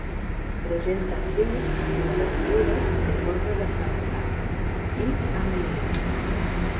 Presenta fris i obertures de forma rectangular i amb llinda.